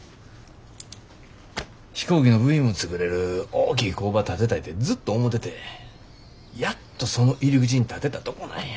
飛行機の部品も作れる大きい工場建てたいてずっと思ててやっとその入り口に立てたとこなんや。